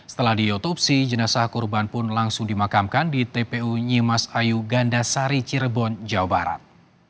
setelah diotopsi jenazah korban pun langsung dimakamkan di tpu nyimas ayu gandasari cirebon jawa barat